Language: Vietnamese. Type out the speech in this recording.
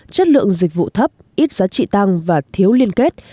chất lượng dịch vụ thấp ít giá trị tăng và thiếu liên kết